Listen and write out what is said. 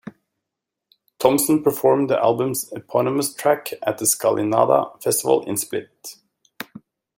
Thompson performed the album's eponymous track at the Skalinada festival in Split.